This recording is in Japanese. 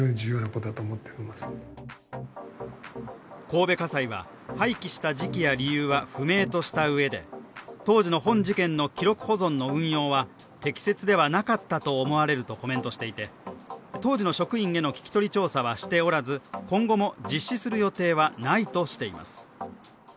神戸家裁は廃棄した時期や理由は不明としたうえで当時の本事件の記録保存の運用は適切ではなかったと思われるとコメントしていて、当時の職員への聞き取り調査はしておらず今後も実施する予定はないとしています。